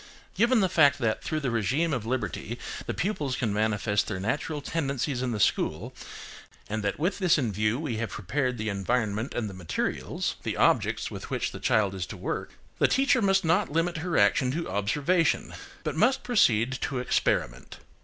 GIVEN the fact that, through the régime of liberty the pupils can manifest their natural tendencies in the school, and that with this in view we have prepared the environment and the materials (the objects with which the child is to work), the teacher must not limit her action to observation, but must proceed to experiment.